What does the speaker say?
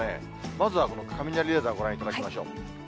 まずはこの雷レーダーをご覧いただきましょう。